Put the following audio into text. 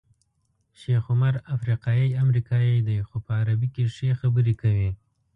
شیخ عمر افریقایی امریکایی دی خو په عربي کې ښې خبرې کوي.